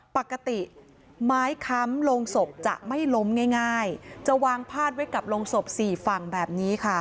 ปกติไม้ค้ำลงศพจะไม่ล้มง่ายจะวางพาดไว้กับโรงศพสี่ฝั่งแบบนี้ค่ะ